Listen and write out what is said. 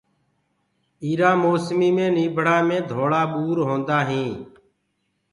اِيرآ موسميٚ مي نيٚڀڙآ مي ڌوݪآ ٻور هونٚدآ هينٚ